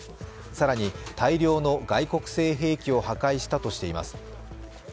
更に外国製兵器を破壊したとしています。